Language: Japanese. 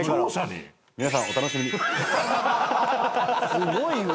すごいわ。